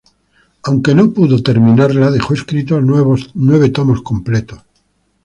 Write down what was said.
Aunque no pudo terminarla dejó escritos nueve tomos completos.